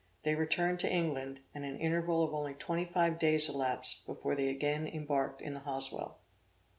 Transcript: They returned to England, and an interval of only twenty five days elapsed, before they again embarked in the Halsewell.